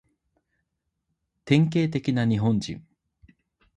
典型的な日本人